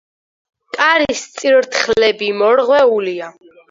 კარის წირთხლები მორღვეულია.